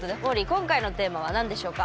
今回のテーマは何でしょうか？